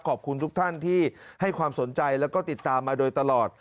ขอบคุณทุกท่านที่ให้ความสนใจแล้วก็ติดตามมาโดยตลอด